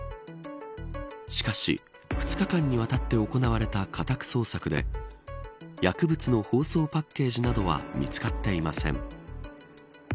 しかし、２日間にわたって行われた家宅捜索で薬物の包装パッケージなどは見つかっていません。